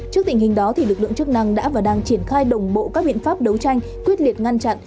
trước tình hình đó lực lượng chức năng đã và đang triển khai đồng bộ các biện pháp đấu tranh quyết liệt ngăn chặn